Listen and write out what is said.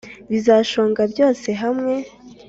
bizashonga byose hamwe